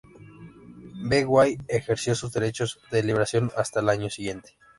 Vee-Jay ejerció sus derechos de liberación hasta el año siguiente.